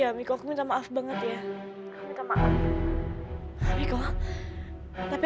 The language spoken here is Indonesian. aku pasti akan mencarikan anissa untuk kamu